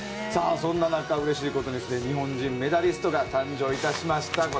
そんな中、うれしいことに日本人メダリストが誕生しました。